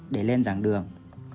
để lên giảng đường